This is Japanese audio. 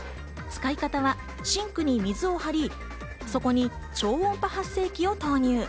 使い方はシンクに水を張り、そこに超音波発生機を投入。